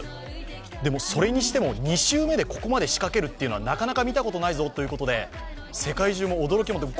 それにしても２周目でここまで仕掛けるというのはなかなか見たことないぞということで世界中も驚きを。